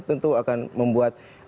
tentu akan membuat